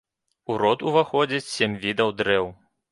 У род уваходзяць сем відаў дрэў.